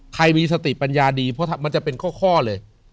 ใครมีสติปัญญาดีเพราะมันจะเป็นข้อเลย